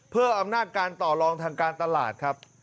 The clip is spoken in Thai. เพื่ออำนาจการต่อลองทางการตลาดครับ